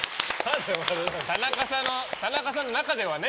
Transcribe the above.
田中さんの中ではね。